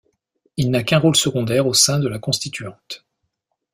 Il n’a qu’un rôle secondaire au sein de la Constituante.